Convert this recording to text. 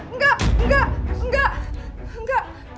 enggak enggak enggak